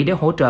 để hỗ trợ